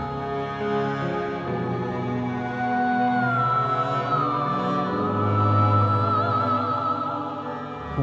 yang bisa melawan takdir